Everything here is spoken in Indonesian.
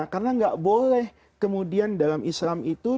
karena tidak boleh kemudian dalam islam itu